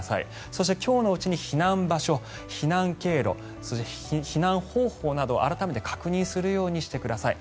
そして、今日のうちに避難場所、避難経路そして避難方法などを改めて確認するようにしてください。